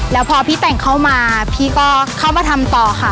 แล้วพอพี่แต่งเข้ามาพี่ก็เข้ามาทำต่อค่ะ